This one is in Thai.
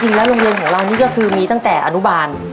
โรงเรียนของเรานี่ก็คือมีตั้งแต่อนุบาล